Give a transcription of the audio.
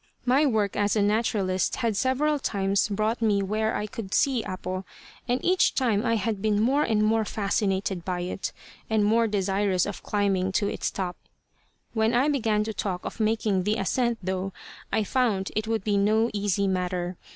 My work as a naturalist had several times brought me where I could see Apo, and each time I had been more and more fascinated by it, and more desirous of climbing to its top. When I began to talk of making the ascent, though, I found it would be no easy matter.